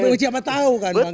bukan siapa tau kan bang